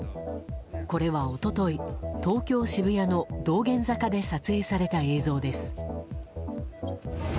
これは一昨日、東京・渋谷の道玄坂で撮影された映像です。